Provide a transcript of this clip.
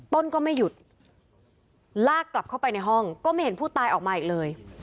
ก็ไม่หยุดลากกลับเข้าไปในห้องก็ไม่เห็นผู้ตายออกมาอีกเลย